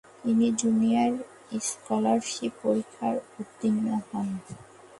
তিনি junior scholarship পরীক্ষায় উত্তীর্ণ হন।